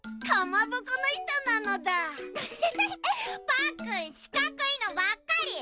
パックンしかくいのばっかり！